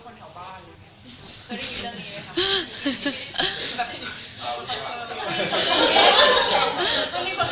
คือเป็นคนเหมือนกับคนแถวบ้าน